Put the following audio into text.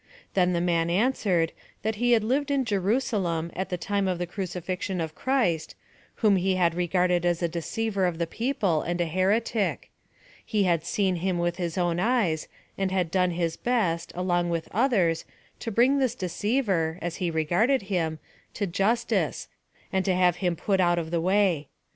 Then the man answered, that he had lived in Jerusalem at the time of the crucifixion of Christ, whom he had regarded as a deceiver of the people, and a heretic; he had seen Him with his own eyes, and had done his best, along with others, to bring this deceiver, as he regarded Him, to justice, and to have Him put out of the way.